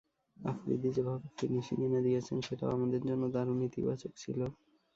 আফ্রিদি যেভাবে ফিনিশিং এনে দিয়েছে, সেটাও আমাদের জন্য দারুণ ইতিবাচক ছিল।